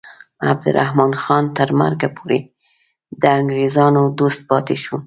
عبدالرحمن خان تر مرګه پورې د انګریزانو دوست پاتې شو.